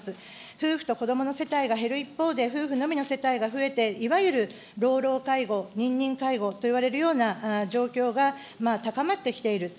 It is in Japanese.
夫婦と子どもの世帯が減る一方で、夫婦のみの世帯が増えて、いわゆる老老介護、認認介護といわれるような状況が高まってきている。